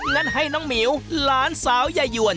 งั้นให้น้องหมิวหลานสาวยายวน